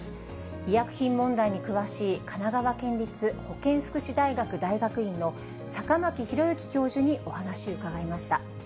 医薬品問題に詳しい、神奈川県立保健福祉大学大学院の坂巻弘之教授にお話伺いました。